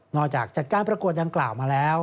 จากจัดการประกวดดังกล่าวมาแล้ว